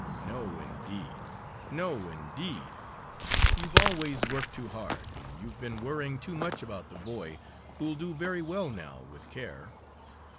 No, indeed! No, indeed! You've always worked too hard, and you've been worrying too much about the boy, who'll do very well now, with care.